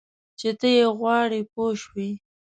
چې ته یې غواړې پوه شوې!.